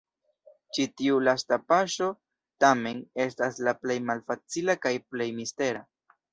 Ĉi tiu lasta paŝo, tamen, estas la plej malfacila kaj plej mistera.